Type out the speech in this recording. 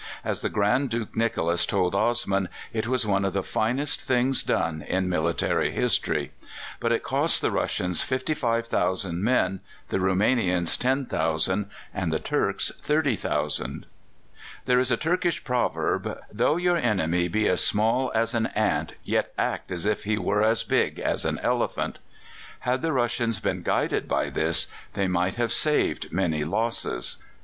As the Grand Duke Nicholas told Osman, it was one of the finest things done in military history. But it cost the Russians 55,000 men, the Roumanians 10,000, and the Turks 30,000. There is a Turkish proverb, "Though your enemy be as small as an ant, yet act as if he were as big as an elephant." Had the Russians been guided by this, they might have saved many losses.